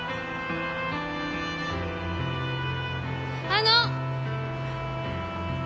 あの！